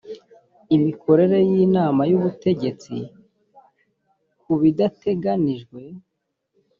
imikorere y inama y ubutegetsi ku bidateganijwe